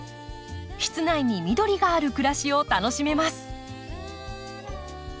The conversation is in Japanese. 室内に緑がある暮らしを楽しめます。